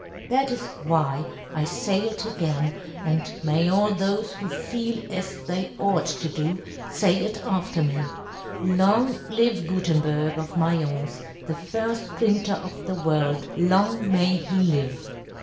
That " is why, I fay it again, and may all " thofe who feel as they ought to do, " fay it after me, * Long live Gu " tenberg of Mai'ence, the firft prin " ter of the world, long may he "live!"'